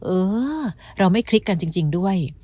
เออเราไม่คลิกกันจริงด้วย